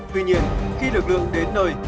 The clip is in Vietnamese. tuy nhiên khi lực lượng đến nơi